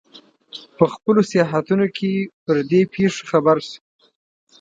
په خپلو سیاحتونو کې پر دې پېښو خبر شو.